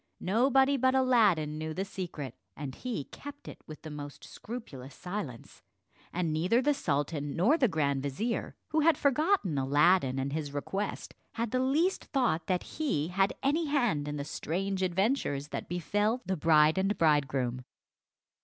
Nobody but Aladdin knew the secret, and he kept it with the most scrupulous silence; and neither the sultan nor the grand vizier, who had forgotten Aladdin and his request, had the least thought that he had any hand in the strange adventures that befell the bride and bridegroom.